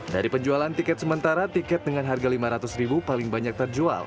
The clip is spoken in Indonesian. dari penjualan tiket sementara tiket dengan harga lima ratus ribu paling banyak terjual